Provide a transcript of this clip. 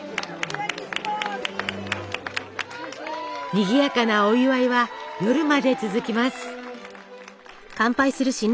にぎやかなお祝いは夜まで続きます。